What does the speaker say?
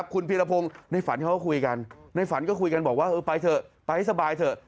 คุณเพียรพงศ์ในฝันเขาก็คุยกันบอกว่าไปสบายเถอะ